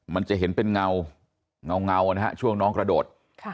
มันจะเห็นเป็นเงานะฮะช่วงน้องกระโดด